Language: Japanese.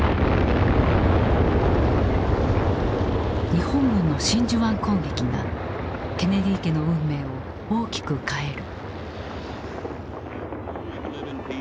日本軍の真珠湾攻撃がケネディ家の運命を大きく変える。